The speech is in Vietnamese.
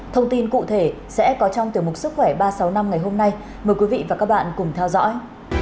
thông tin cụ thể sẽ có trong tiểu mục sức khỏe ba trăm sáu mươi năm ngày hôm nay mời quý vị và các bạn cùng theo dõi